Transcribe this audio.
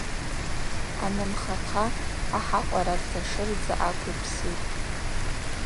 Анымхахъа ахӏакъварарта шырдза аквипситӏ.